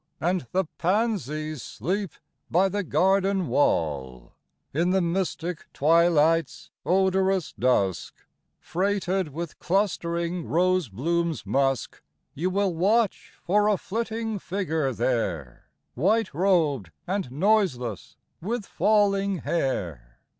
And the pansies sleep by the garden wall, — In the mystic twilight's odorous dusk. Freighted with clustering rose bloom's musk, — You will watch for a flitting figure there, White robed and noiseless, with falling hair.